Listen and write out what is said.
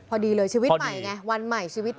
พอดีเลยชีวิตใหม่ไงวันใหม่ชีวิต